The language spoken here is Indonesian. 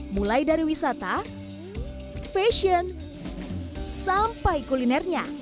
mulai dari wisata fashion sampai kulinernya